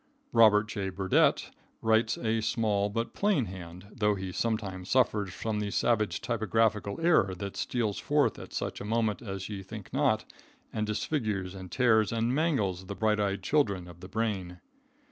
Robert J. Burdette writes a small but plain hand, though he sometimes suffers from the savage typographical error that steals forth at such a moment as ye think not, and disfigures and tears and mangles the bright eyed children of the brain.